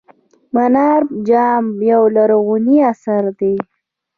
منار جام یو لرغونی اثر دی.